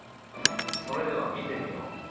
それでは見てみよう。